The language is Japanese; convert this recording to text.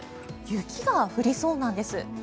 雪が降りそうなんです。